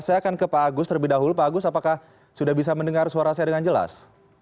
saya akan ke pak agus terlebih dahulu pak agus apakah sudah bisa mendengar suara saya dengan jelas